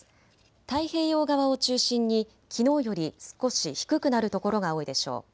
太平洋側を中心にきのうより少し低くなる所が多いでしょう。